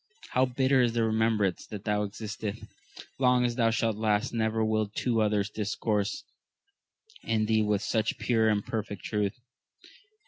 How bitter is the remembrance that thou excitest ! long as thou shalt last, never will two others discourse in thee with such pure and perfect truth